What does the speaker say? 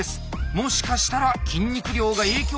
もしかしたら筋肉量が影響しているのか。